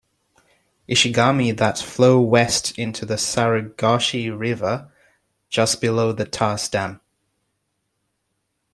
Ishigami that flow west into the Sarugaishi River just below the Tase Dam.